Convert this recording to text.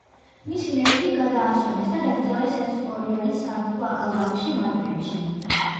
მისი ნეშტი გადაასვენეს და დაკრძალეს ესკორიალის სამეფო აკლდამაში, მადრიდში.